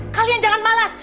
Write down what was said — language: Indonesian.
kalian jangan malas